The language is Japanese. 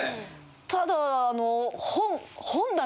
ただあの。